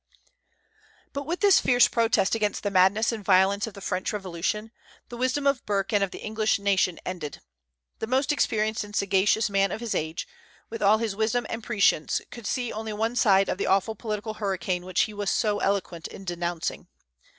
But with this fierce protest against the madness and violence of the French Revolution, the wisdom of Burke and of the English nation ended. The most experienced and sagacious man of his age, with all his wisdom and prescience, could see only one side of the awful political hurricane which he was so eloquent in denouncing.